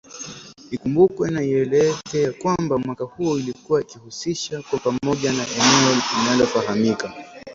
Ikumbukwe na ieleweke ya kwamba mwaka huo ilikuwa ikihusisha kwa pamoja na eneo linalofahamika